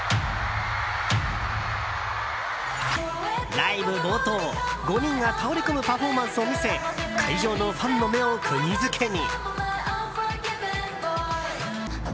ライブ冒頭、５人が倒れ込むパフォーマンスを見せ会場のファンの目をくぎ付けに。